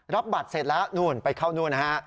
รับบัตรเสร็จแล้วนู่นไปเข้านู่นนะฮะ